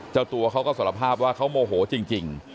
เจ้าตัวเขาก็สารภาพว่าเขาโมโหจริง